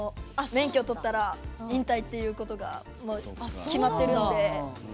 免許取ったら引退ということが決まってるんで。